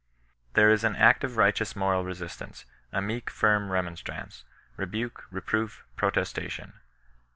There is an active righteous moral resistance — a meek firm remonstrance, rebuke, reproof, protestation.